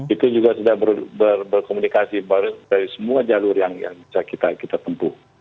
itu juga sudah berkomunikasi dari semua jalur yang bisa kita tempuh